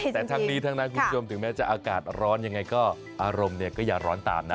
แต่ทั้งนี้ทั้งนั้นคุณผู้ชมถึงแม้จะอากาศร้อนยังไงก็อารมณ์เนี่ยก็อย่าร้อนตามนะ